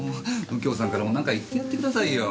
右京さんからもなんか言ってやってくださいよ。